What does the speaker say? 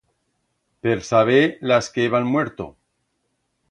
Per saber las que heban muerto.